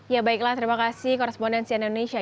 ya baiklah terima kasih korespondensi indonesia